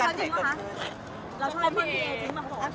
เอ้าชอบต้นเป้มเองจริงเหรอ